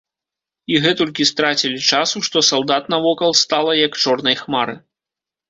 І гэтулькі страцілі часу, што салдат навокал стала, як чорнай хмары.